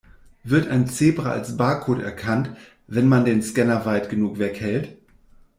Wird ein Zebra als Barcode erkannt, wenn man den Scanner weit genug weghält?